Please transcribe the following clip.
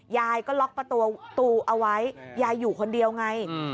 ยายก็ล็อกประตูเอาไว้ยายอยู่คนเดียวไง